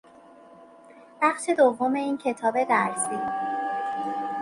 بخش دوم این کتاب درسی